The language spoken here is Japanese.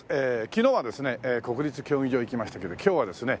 昨日はですね国立競技場行きましたけど今日はですね